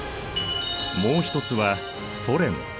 もう一つはソ連。